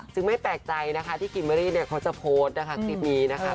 ซึ่งไม่แปลกใจที่กินเวรี่จะโพสต์คลิปนี้นะคะ